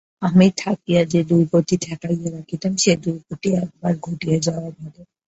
আমি থাকিয়া যে-দুর্গতি ঠেকাইয়া রাখিতাম, সে-দুর্গতি একবার ঘটিয়া যাওয়াই ভালো।